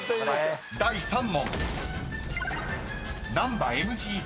［第３問］